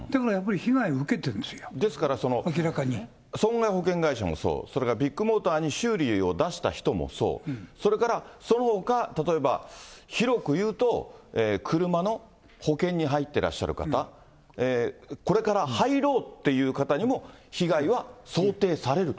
だからやっぱり被害は受けてるん損害保険会社もそう、それからビッグモーターに修理を出した人もそう、それからそのほか、例えば広く言うと、車の保険に入ってらっしゃる方、これから入ろうっていう方にも被害は想定されると。